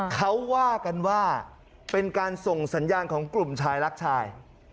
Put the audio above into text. เขาว่ากันว่าเป็นการส่งสัญญาณของกลุ่มชายรักชาย